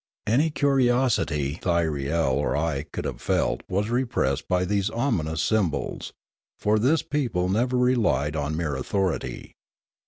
Any curiosity Thyriel or I could have felt was repressed by these ominous symbols; for this people never relied on mere authority.